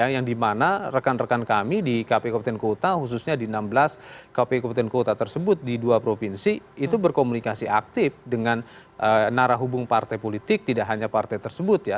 yang dimana rekan rekan kami di kpu kabupaten kota khususnya di enam belas kpu kabupaten kota tersebut di dua provinsi itu berkomunikasi aktif dengan narah hubung partai politik tidak hanya partai tersebut ya